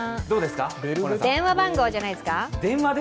電話番号じゃないですか？